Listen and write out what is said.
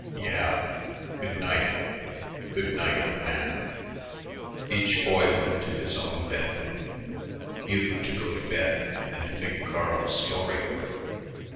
"Yeah. Good night." "Good night, old man." Each boy went to his own bedroom, Hugh to go to bed and think Carl's story over.